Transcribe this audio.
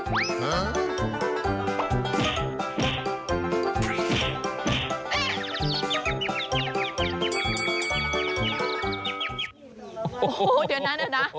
โอ้โหเดี๋ยวนั้นนะ